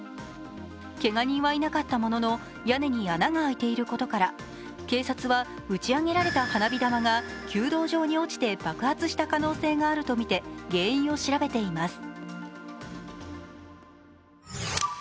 けが人はいなかったものの、屋根に穴が開いていることから警察は、打ち上げられた花火玉が弓道場に落ちて爆発した可能性があるとみて原因を調べています。